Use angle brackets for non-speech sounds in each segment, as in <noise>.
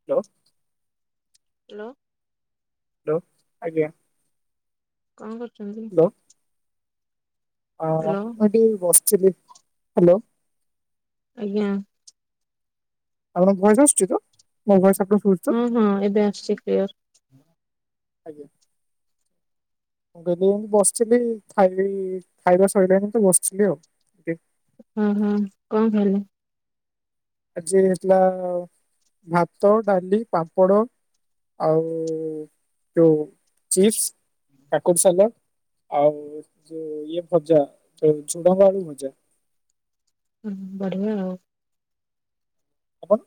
<unintelligible> Hello. Hello ଆଜ୍ଞା। କଣ କରୁଛନ୍ତି? ହ ହ୍ୟାଲୋ ମୁଁ ଏଠି ବସିଥିଲି ହାଲୋ ଆଜ୍ଞା। ଆପଣଙ୍କ ଭଏସ୍ ଆସୁଛି ତ ମୋ ଭଏସ୍ ଆପଣ ହୁ ହୁ ଏବେ ଆସୁଛି କ୍ଲିଅର୍। ଆଜ୍ଞା। ମୁଁ କହିଲି ବସିଥିଲି ଖାଇବି ଖାଇବା ସଇଲେ ଏମିତି ବସିଥିଲି ଆଉ ଏଠି ଅ ହ କଣ ଖାଇଲେ? ଆଜି ହେଇଥିଲା ଭାତ ଡାଲି ପାମ୍ପଡ଼ ଆଉ ଯୋଉ ଚିପ୍ସ କାକୁଡ଼ି ସାଲାଡ଼ ଆଉ ଯୋଉ ଇଏ ଭଜା ଯୋଉ ଚୁଡଙ୍ଗ ଆଳୁ ଭଜା। ହୁଁ ବଢଆ ଆଉ। ଆପଣ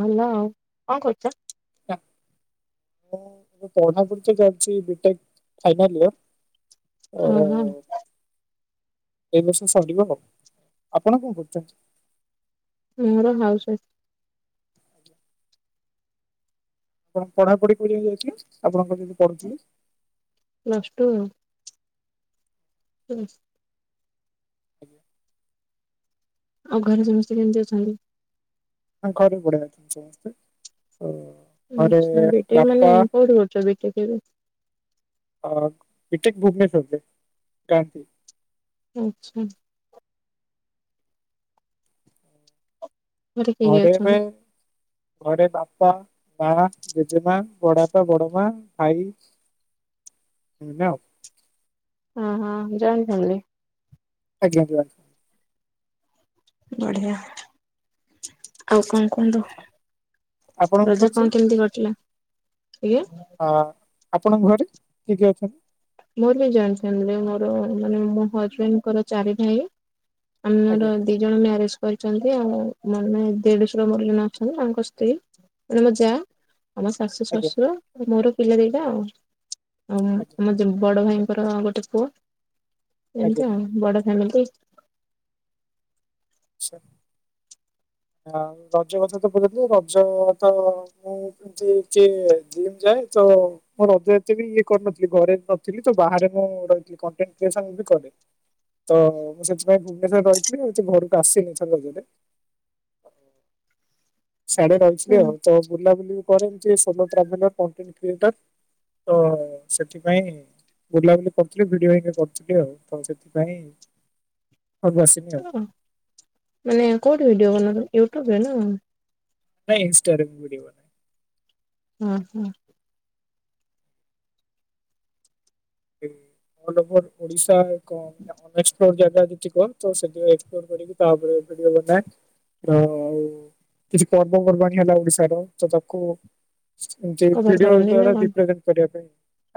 ଭଲ ଆଉ କଣ କରୁଚ। <inaudible> ମୁଁ ପଢା ପୁଢ଼ି ତ ଚାଲ୍ଛି ବି ଟେକ୍ ଫାଇନାଲି ୟା। ଓ ହୋ। ଏଇ ବର୍ଷ ସରିବ ଆଉ ଆପଣ କଣ କରୁଚନ୍ତି। ମୁଁ ମୋର ହାଉସ୍ ୱାଇ ଆପଣ ପଢାପଢି କରିବାକୁ ଯାଇଥିଲେ ଆପଣଙ୍କ ଯଦି ପଢୁଥିଲେ ପ୍ଲସା ଟୁ। <inaudible> <inaudible> ଆଉ ଘରେ ସମସ୍ତେ କେମ୍ତି ଅଛନ୍ତି। <unintelligible> ଆଚ୍ଛା ବିଟି ଆଇ ମାନେ ବାପା କୋଉଠି କରୁଚ ବିଟି ଆଇ ଏବେ। ଅ ବିଟ୍ ଆଇ ଭୁବନେଶ୍ବର୍ ରେ କାନପୁର୍। ଆଚ୍ଛା। ଘରେ କିଏ କିଏ ପଢ଼ିବା ଅଛନ୍ତି? ପାଇଁ।। ଘରେ ବାପା ମା ଜେଜେମା ବଡାଆପା ବଡ ମା ଭାଇ। <unintelligible> ହଁ ହଁ ଜଏଣ୍ଟ୍ ଫ୍ୟାମିଲି। ଆଜ୍ଞା ଜୁହାର୍। ବଢିଆ। ଆଉ କନ୍ କୁହନ୍ତୁ ଆଜ୍ଞା ଆପଣଙ୍କ ଘରେ ରଜ ସବୁ କଣ୍ କେମିତି କଟିଲା ଆଜ୍ଞ। ଅ ଆପଣଙ୍କ ଘରେ କିଏ କିଏ ଅଛନ୍ତି। ମୋର ବି ଜଏଣ୍ଟ୍ ଫ୍ୟାମିଲୀ ମୋର ମାନେ ମୋ ହଜବେଣ୍ଡଙ୍କର ଚାରି ଭାଇ ଆମର ଆଜ୍ଞା ଦି ଜଣ ମ୍ୟାରେଜ୍ କରିଚନ୍ତି ଆଉ ମାନେ ଦେଢ଼ଶୁର ମୋର ଜଣେ ଅଛନ୍ତି ତାଙ୍କ ସ୍ତ୍ରୀ। ମାନେ ମୋ ଯା ଆମ ଶାଶୁ ଆଜ୍ଞା ଶଶୁର ମୋର ପିଲା ଦି ଟା ଆଉ ଆଜ୍ଞା ଆଉ ମୋ ବଡ ଭାଇଙ୍କର ଗୋଟେ ପୁଅ ଏମ୍ତି ଆଜ୍ଞା ଆଉ ବଡ ଫ୍ୟାମିଲି ଆଚ୍ଛା ଆଉ ରଜ କଥା ତ ପଚାରିଥିଲି ରଜ ତ <unintelligible> ଥିଲେ ଯିଏ ତ ମୁଁ ରଜ ଏତେ ବି ଇଏ କରିନଥିଲି ଘରେ ନଥିଲି ତ ବାହାରେ ମୁଁ ରହିଥିଲି କଣ୍ଟେନ୍ ଭେଶନ୍ ବି କରେ। ତ ମୁଁ ସେଥିପାଇଁ ଭୁବନେଶ୍ୱରରେ ରହିଥିଲି ହୋଉଛି ଘରକୁ ଆସିନି ତ ରଜରେ। ହୁଁ <unintelligible> ତ ସେଥିପାଇଁ ବୁଲାବୁଲି କର୍ଥୁଲି ଭିଡିଓ ହରିକା କର୍ଥୁଲି ଆଉ ତ ସେଥିପାଇଁ ଘର୍କୁ ଆସିନି ଆଉ। ମାନେ କୋଉଠି ଭିଡିଓ ବନଉଚ ୟୁଟ୍ୟୁବ୍ରେ ନା। ନାଇଁ ଇଁଷ୍ଟା ରେ ମୁଁ ଭଡିଓ ବନାଏ। ହୁଁ ହୁଁ। <unintelligible> ଓଡିଶା <unintelligible> ନେଷ୍ଟ୍ ପ୍ଲୋର୍ ଜାଗା ଦେ ଠିକ ତ ସେଠି ରେକର୍ଡ କରିକି ତା ଉପରେ ଭିଡିଓ ବନାଏ। ର ଆଉ କିଛି ପର୍ବ ପର୍ବାଣୀ ହେଲା ଓଡିଶାର ଚ ତାକୁ କଭର ଭିଡିଓ କରନ୍ତି ଦ୍ଵାରା <unintelligible> କରିବା ପାଇଁ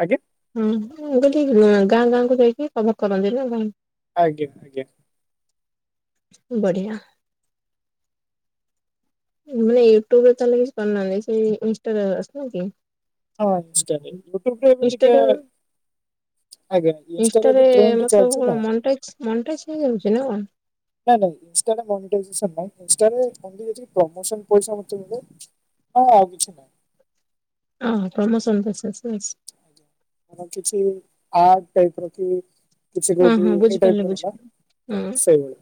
ଆଜ୍ଞା। ହୁଁ ମୁଁ କହିଲି ବୁ ଗାଁ ଗାଁ କୁ ଯାଇକି ଖବର୍ କରନ୍ତି ନା କଣ। ଆଜ୍ଞା ଆଜ୍ଞା। ବଢ଼ିଆ। ମାନେ ୟୁଟ୍ୟୁବ୍ ରେ ତାହେଲେ କିଛି କରୁନାହାନ୍ତି ସେଇ ଇଁଷ୍ଟା ଆସନା କି। ହଁ ଇଁଷ୍ଟା ରେ ୟୁଟ୍ୟୁବ୍ ରେ ଆମେ ଟିକେ ଇନଷ୍ଟାରେ ଆଜ୍ଞା ଇନଷ୍ଟାରେ ଇଁଷ୍ଟାରେ ଏବେ ଟ୍ରେଣ୍ଡ ମତ୍ଲବ୍ ଚାଲିଛି ନା କଣ ମଣ୍ଟାଇଜ୍ ମନ୍ଟାଇଜ୍ ହେଇଯାଉଚୀ ନା କଣ। ନାଇଁ ନାଇଁ ଇନଷ୍ଟା ରେ ମୋନିଟାଇଜେସନ୍ ନାଇଁ। ଇନଷ୍ଟା ରେ ଓନଲି ଅଛି ପ୍ରୋମସନ୍ ପଇସା ମୋତେ ମିଳେ। ହଁ ଆଉ କିଛି ନାହିଁ। ଓ ହଁ ପ୍ରୋମୋସନ୍ ପଇସା ଆସେ ବାସ୍। ଆର କିଛି ଆର୍ଟ ଟାଇପ୍ ର କି କିଛି ହଁ କୋଉଟି ହଁ ଏଇ ଟାଇପ୍ ବୁଝିପାରିଲି ହେଲା ବୁଝିପାରିଲି ତ ହଁ ସେଇ ଭଳିଆ।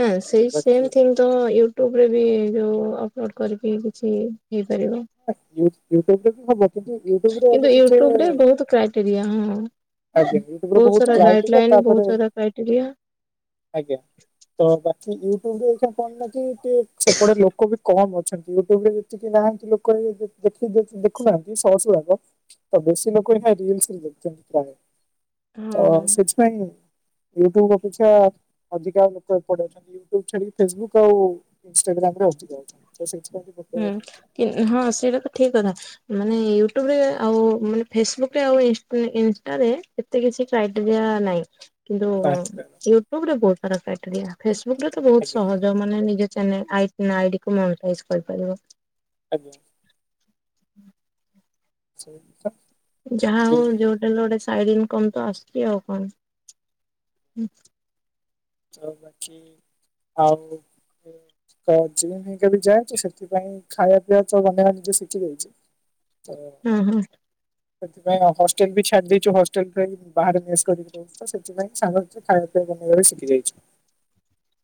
ନା ସେଇ ବାକି ସେମ୍ ଥିଙ୍ଗ। ତ ୟୁଟ୍ୟୁବ୍ ରେ ବି ଯୋଉ ଅପଲୋଡ୍ କରିକି କିଛି ହେଇପାରିବ। ହେ ୟୁ ୟୁଟ୍ୟୁବ୍ ରେ ବି ହବ। କିନ୍ତୁ ୟୁଟ୍ୟୁବରେ ଏବେ କିନ୍ତୁ ଟିକେ ୟୁଟ୍ୟୁବ ରେ ବହୁତ କ୍ରାଇଟେରିଆ ହଁ। ଆଜ୍ଞା ୟୁଟ୍ୟୁବରେ ବହୁତ ସାରା କ୍ରାଏ ଗାଇଡ୍ ଟିକେ ଲାଇନ୍, ତାପରେ ବହୁତ ସାରା କ୍ରାଇଟେରିଆ। ଆଜ୍ଞା। ତ ବାକି ୟୁଟ୍ୟୁବ ରେ ଏଇଖା କଣ ନା କି ଟିକେ ସେପଟେ ଲୋକ ବି କମ୍ ଅଛନ୍ତି ୟୁଟ୍ୟୁବ ରେ ବି ସେ କେ ନାହାନ୍ତି ଲୋକ ବି ଦେ-ଦେଖି ଦେଖି ଦେଖୁନାହାନ୍ତି ସରସି ଭାଗ। ତ ବେଶୀ ଲୋକ ଏଇଖା ରିଲସ୍ ରେ ଦେଖୁଛନ୍ତି ପ୍ରାୟ, ତ ହଁ ସେଥିପାଇଁ ୟୁଟ୍ୟୁବ ଅପେକ୍ଷା ଅଧିକା ଲୋକ ଏପଟେ ଅଛନ୍ତି। ୟୁୁଟ୍ୟୁବ ଛାଡିକି ଫେସବୁକ୍ ଆଉ ଇନଷ୍ଟାଗ୍ରାମ୍ ର ଅଧିକ ଅଛି। ତ ସେଇଥିପାଇଁ କି ହୁଁ, କେ -ହଁ ସେଇଟା ତ ଠିକ କଥା। ମାନେ ୟୁଟ୍ୟୁବ ରେ ଆଉ ମାନେ ଫେସବୁକ୍ ରେ ଆଉ ଇଷ୍ଟି ଇନଷ୍ଟା ରେ ଏତେ କିଛି କ୍ରାଇଟେରିଆ ନାହିଁ। କିନ୍ତୁ ନାହିଁ ୟୁଟୁବ ରେ ବହୁତ ସାରା କ୍ରାଇଟେରିଆ, ଫେସବୁକ୍ ରେ ତ ବହୁତ ଆଜ୍ଞା ସହଜ। ଯୋଉମାନେ ନିଜ ଚ୍ୟାନେଲ୍ ଆଇ ନିଜ ଆଇଡି କୁ ନ ଅପୋଜ୍ କରିପାରିବ। ଆଜ୍ଞା। ହୁଁ। ସେଇ <inaudible> ଥା ଯାହା ହଉ ଯୋଉଟା ହେଲେ ଗୋଟେ ସାଇଡ୍ ଇନକମ୍ ତ ଆସଚୁ ଆଉ କଣ। ହୁଁ, ତ ବାକି ଆଉ ଯୋଉ କ- ଜିଅନି କାଲି ଯାଏ ତ ସେଥିପାଇଁ ଖାଇବା ପିଇବା ସବୁ ବନେଇବା ନିଜେ ଶିଖି ଯାଇଛି, ତ ହଁ ହଁ ସେଥିପାଇଁ ଅ, ହଷ୍ଟେଲ୍ ବି ଛାଡି ଦେଇଛୁ। ହଷ୍ଟେଲ୍ ଟା ବି ବାହାରେ ମେସ୍ କରିକି ର ହିଛୁ ତ ସେଥିପାଇଁ ସାଙ୍ଗସାଥିରେ ଖାଇବା ପିଇବା ବନେଇବା ବି ଶିଖିଯାଇ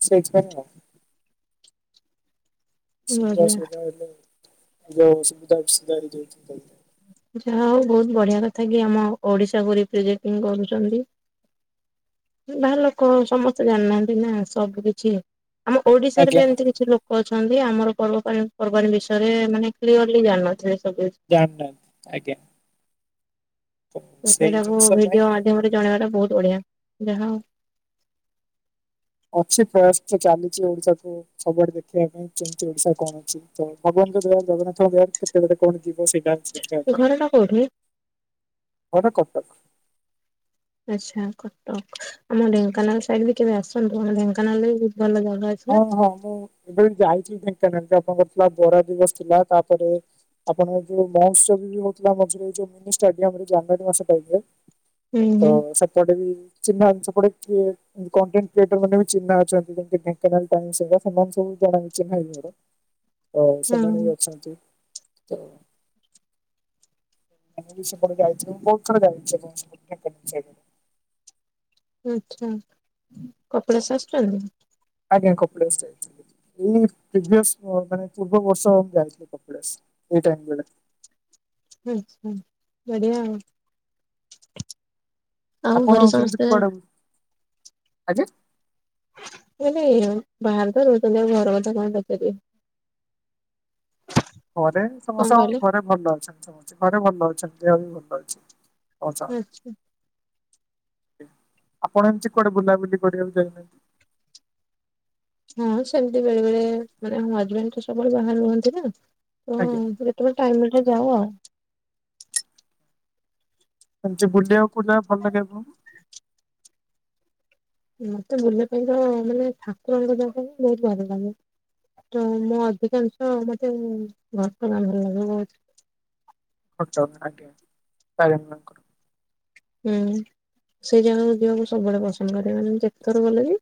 ସେ ଏକ୍ସ <unintelligible> ସୁବିଧା ବଢିଆ ଅସୁବିଧା ହେଲେ <inaudible> ଯୋଉ ଅସୁବିଧା ବି ସୁଧାରି ଦଉଛି କହିଲେ। ଯାହା ହଉ ବହୁତ ବଢିଆ କଥା କି ଆମ ଓଡିଶାକୁୁ ରିପ୍ରେଜେଟିଙ୍ଗ କରୁଚନ୍ତି। ଏ ବାହାର ଲୋକ ସମସ୍ତେ ଜାଣିନାହାନ୍ତି ନା ସବୁ କିଛି, ଆମ ଓଡିଶାରେ ବି ଆଜ୍ଞା ଯେମତି କିଛି ଲୋ କ ଅଛନ୍ତି, ଆମର ପର୍ବ ପାଣ ପର୍ବାଣି ବିଷୟରେ ମାନେ କ୍ଲିୟରଲି ଜାଣିନଥିଲେ ସବୁ କିଛି। ଜାଣିନାହାନ୍ତି, ଆଜ୍ଞା ତ ସେଇ ଜିନିଷ ପାଇଁ ଯେ ଗୋଟେ ଜଣେଇବା ଟା ବହୁତ ବଢିଆ, ଯାହା ହଉ। ଅଛି ପ୍ରୟାସ ତ ଚାଲିଚି ଓଡିଶା କୁ ସବୁଆଡେ ଦେଖେଇବା ପାଇଁ। ମୁଁ ଜାଣିଚି ଓଡିଶା ରେ କଣ ଅଛି, ତ ଭଗବାନଙ୍କ ଦୟାରୁ ଜଗନ୍ନାଥଙ୍କ ଦୟାରୁ କେତେବେଳେ କଣ ଥିବ ସେଇଟା ଦେଖିବା ହଉ କଥା, ଘରଟା କୋଉଠି? ଘର କଟକ। ଆଚ୍ଛା କଟକ, ଆମ ଢେଙ୍କାନାଳ ସାଇଡ୍ ବି କେବେ ଆସନ୍ତୁ। ଆମ ଢେଙ୍କାନାଳରେ ବି ବହୁତ ଭଲ ଜାଗା ଅ ହଁ, ହଁ ମୁଁ ଏବେ ଯାଇଥିଲି ଢେଙ୍କାନାଳ ଆପଣଙ୍କର ଥିଲା ବରା ଦିବସ ଥିଲା, ତାପରେ ଆପଣଙ୍କ ଯୋଉ ମହୋତ୍ସବ ବି ହଉଥିଲା ମଝିରେ ଏଇ ଯୋଉ ମିନି ଷ୍ଟାଡିୟମ୍ ରେ ଜାନୁଆରୀ ମାସ ଟାଇମ୍ ର। ହୁଁ ତ ହୁଁ ସେପଟେ ବି ଚିହ୍ନା ସେପଟେ କିଏ କଣ୍ଟେଣ୍ଟ କ୍ରିଏଟର୍ ମାନେ ବି ଚିହ୍ନା ଅଛନ୍ତି। ଯେମତି <inaudible> କେନାଲ୍ ଟାଇମ୍ <unintelligible> ସେମାନ ସବୁ ଜଣା ବି ଚିହ୍ନା ବି ମୋର। ଓ ସେମାନେ ହଁ ବି ଅଛନ୍ତି। ତ ଏ ମୁଁ ବି ସେପଟେ ଯାଇଛି ମୁଁ ବହୁତ ଥର ଯାଇଛି ଯେକୌଣସି <inaudible> ଆଚ୍ଛା, କପିଳାସ ଆସିଛନ୍ତି? ଆଜ୍ଞା କପିଳାସ ଯାଇଥିଲି। ଏଇ ପ୍ରିଭିଏସ୍‌ ମୋ ମାନେ ପୂର୍ବ ବର୍ଷ ମୁଁ ଯାଇଥିଲି। କପିଳାସ ଏଇ ଟାଇମ୍ ରେ ଯାଇଥିଲି। ଆଛା ବଢ଼ିଆ ଆଉ ଆଉ ଆପଣ ଘରେ ସମସ୍ତେ ଆଯା। ଏ ବାହାରେ ତ ରହୁଛନ୍ତି ଆଉ ଘର କଥା କଣ ପଚାରିବି। ଘରେ କଣ ସମସ୍ତେ କହିଲେ? ଘରେ ଭଲ ଅଛନ୍ତି ସମସ୍ତେ ଘରେ ଭଲ ଅଛନ୍ତି ଦେହ ବି ଭଲ ଅଛି। ହଚ୍ଛା ଆଚ୍ଛା ଆପଣ ଏମିତି କୁଆଡେ଼ ବୁଲାବୁଲି କରିବାକୁ ଯାଇନାହାନ୍ତି। ହଁ ସେମିତି ବେଳେ ବେଳେ ମାନେ ମୋ ହଜବେଣ୍ଡ ତ ସବୁବେଳେ ବାହାରେ ରୁହନ୍ତି ନା ଆଜ୍ଞା। ତ <unintelligible> <unintelligible> ଯାଉ ଆଉ। ସେମିତି ବୁଲିବାକୁ କୋଉ ଜାଗା ଭଲ ଲାଗେ ପୁଣି? ମତେ ବୁଲିବା ପାଇଁ ତ ମାନେ ଠାକୁରଙ୍କ ଯାଗା ବହୁତ ଭଲ ଲାଗେ। ତ ମୁଁ ଅଧିକାଂଶ ମତେ ଘଟ ଗାଁ ଭଲ <unintelligible> ଘଟ ଆଜ୍ଞା ତାରେଣି ମା ଙ୍କର। ହୁଁ ସେଇ ଜାଗାକୁ ଯିବାକୁ ସବୁବେଳେ ପସନ୍ଦ କରେ ମାନେ ମୁଁ ଯେତେଥର ଗଲିଣି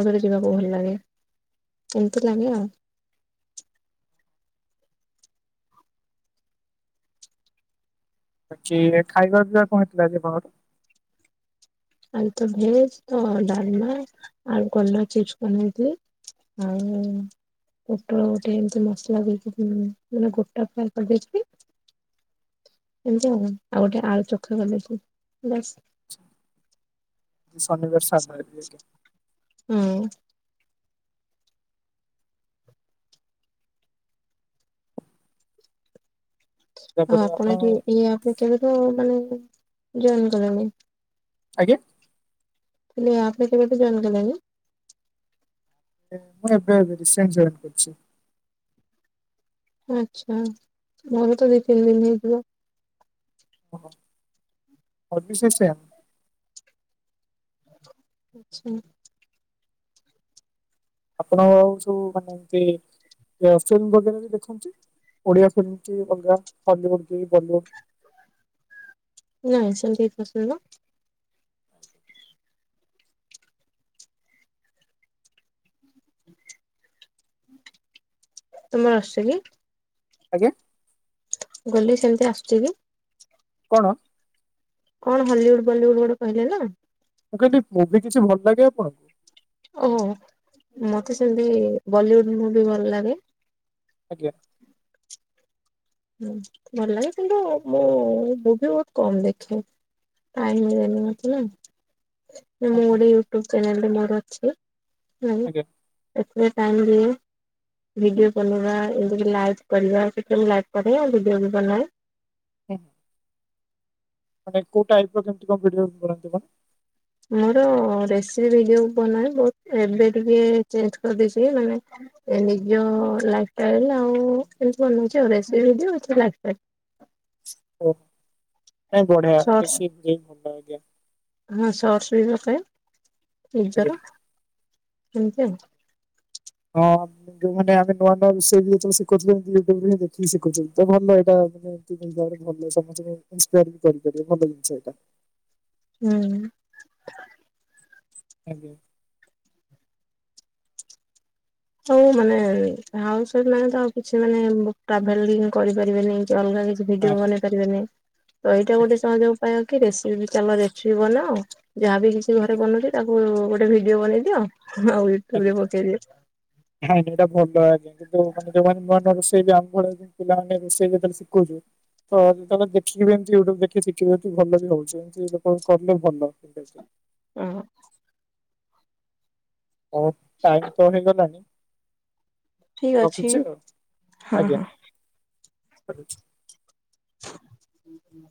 ଆଉଥରେ ଯିବାକୁ ଭଲ ଲାଗେ ଏମତି ଲାଗେ ଆଉ। ଆ କି ଖାଇବା ପିଇବା କଣ ହେଇଥିଲା କି ତମର? ଆଜି ତ ଭେଜ ତ ଡାଲମା ଆଉ କଲରା ଚିପ୍ସି ବନେଇଥିଲି। ଆଉ ପୋଟୋଳ ଗୋଟେ ଏମିତି ମସଲା ଦେଇକି ମାନେ ଗୋଟା ଫ୍ରାଏ କରିଦେଇଥିଲି। ଏମିତି ଆଉ ଆଉ ଗୋଟେ ଆଳୁ ଚୋଖା କରିଦେଇଥିଲି ବସ୍। ଶନିବାର ସାଧା ହେଇଥିବ କି? ହୁଁ। ଆଉ ଆପଣ ଏଠି ଇଏ ଆପ୍ ରେ କେବେଠୁ ମାନେ ଜଏନ କଲେଣି? ଆଜ୍ଞା ମୁଁ କହିଲି ଏ ଆପ୍ ରେ କେବେଠୁ ଜଏନ୍ କଲେଣି? ମୋର ଏବେ ଏବେ ରିସେଣ୍ଟ ଜଏନ୍‌ କରିଛି। ଆଚ୍ଛା ମୋର ତ ଦି ତିନି ଦିନ ହେଇଯିବ। ହ ଅବିଅସ୍ଲି ସେୟା। ଆଚ୍ଛା। ଆପଣ ଆଉ ସବୁ ମାନେ ଏମତି <unintelligible> ଦେଖନ୍ତି। ଓଡିଆ ଫିଲ୍ମ କି ଅଲଗା ହଲିଉଡ୍ କି ବଲିଉଡ୍? ନାଇଁ ସେମତି କିଛି ପସନ୍ଦ ନୁହଁ। ତମର ଆସୁଛି କି? ଆଜ୍ଞା ମୁଁ କହିଲି ସେମିତି ଆସୁଛି କି? କଣ? କଣ ହଲିଉଡ ବଲିଉଡ ଗୋଟେ କହିଲେ ନା? ମୁଁ କହିଲି ମୁଭି କିଛି ଭଲ ଲାଗେ ଆପଣଙ୍କୁ? ଓ ମତେ ସେମତି ବଲିଉଡ଼ ମୁ ବି ଭଲ ଲାଗେ। ଆଜ୍ଞା। ହୁଁ ଭଲ ଲାଗେ କିନ୍ତୁ ମୁଁ ମୁଭି ବହୁତ କମ୍ ଦେଖେ। ଟାଇମ୍ ହୁଏନି ମତେ ନା ମୁଁ ହଁ ଗୋଟେ ୟୁଟ୍ୟୁବ ଚ୍ୟାନେଲରେ ମୋର ଅଛି। ଆଜ୍ଞା ଏଥୀରେ ଟାଇମ୍ ମିଳିଲେ ଭିଡିଓ ବନେଇବା ଏମତି ଲାଇକ୍ କରିବା <unintelligible> <unintelligible> ଭିଡିଓ ବି ବନାଏ। <unintelligible> ମାନେ କଉ ଟାଇପ୍ ର କେମିତି କଣ ଭିଡିଓ ଆପଣଙ୍କର? ମୋର ରେସିପି ଭିଡିଓ ବନାଏ ବହୁତ ଏବେ ଟିକେ ଚେଞ୍ଜ କରିଦେଇଛି ମାନେ ନିଜ ଲାଇଫଷ୍ଟାଇଲ ଆଉଏମତି ବନଉଛି ଆଉ ରେସିପି ଭିଡ଼ିଓ ନିଜ ଲାଇଫଷ୍ଟାଇଲ। ଓ ନାହିଁ ସର୍ଟସ ବଢ଼ିଆ <unintelligible> ହଁ ଶର୍ଟସ ବି ପକାଏ ଆଜ୍ଞା। ନିଜର ଏମିତି ଆଉ। ହଁ। ଯୋଉମାନେେ ଆମ ନୂଆ ନୂଆ ରୋଷେଇ <unintelligible> ୟୁୁଟୁବ ଦେଖିକିସିଖେଇ ଛନ୍ତି ତ ଭଲ ଏଟା <unintelligible> ହୁଁ। ଆଜ୍ଞା। ହଉ ମାନେ ହାଉସ ୱାଇଫ ମାନେ ତ ଆଉ କିଛି ମାନେ ଟ୍ରାଭେଲ ବି କରିପାରିବେନି ଅଲଗା କିଛି କିଭିଡିଓ ଆଜ୍ଞା ବନେଇ ପାରିବେନି ତ ଏଇଟା ଗୋଟେ ଆଜ୍ଞା ସହଜ ଉପାୟ କି ରେସିପି ଚାଲ ରେସିପି ବନାଅ ଯାହାବି କିଛି ଘରେ ଆଜ୍ଞା। ବନଉଛି ତାକୁ ଗୋଟେ ଭିଡିଓ ବନେଇ ଦିଅ <unintelligible> ଉଠିଲେ ପଚାରିବ ହ ଯୋଉଟା ଭଲ ହବ <unintelligible> ନୂଆଁ ରୋଷେଇ ଆମ୍ ଭଳିଆ ପିଲା ମାନଙ୍କୁ ରୋଷେଇ ପତ୍ର ସିକେଉଛୁ <unintelligible> ତ ଦେଖିକି ଯେମିତି ଦେଖିଶିଖିବେ କି ଭଲ ବି ହୋଉଛି <unintelligible> କଣ କଲେ ଭଲ ଅ ହ। ଆଉ ଟାଇମ ତ ହେଇଗଲାଣି। ଠିକ ଅଛି ରଖୁଛି ହଁ ଆଜ୍ଞା ହଁ। ରଖୁଚି ଓ ହୋ